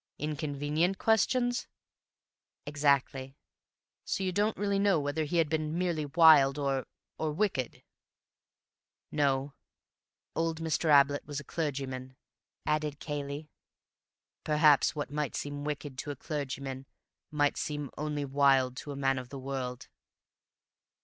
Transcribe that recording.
"Inconvenient questions?" "Exactly." "So you don't really know whether he had been merely wild or—or wicked?" "No. Old Mr. Ablett was a clergyman," added Cayley. "Perhaps what might seem wicked to a clergyman might seem only wild to a man of the world."